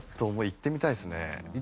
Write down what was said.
行ってみたいよね。